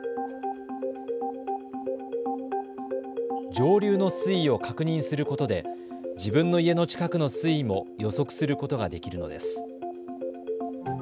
上流の水位を確認することで自分の家の近くの水位も予測することができるのです。